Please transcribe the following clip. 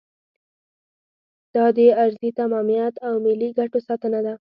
دا د ارضي تمامیت او ملي ګټو ساتنه ده.